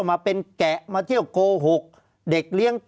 ภารกิจสรรค์ภารกิจสรรค์